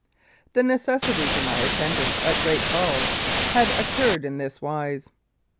The necessity for my attendance at Great Falls had occurred in this wise.